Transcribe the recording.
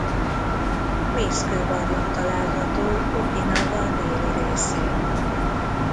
Mészkő barlang található Okinava déli részén.